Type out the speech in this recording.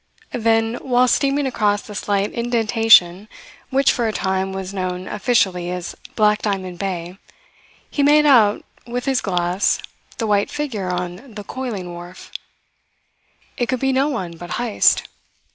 Then, while steaming across the slight indentation which for a time was known officially as Black Diamond Bay, he made out with his glass the white figure on the coaling wharf. It could be no one but Heyst.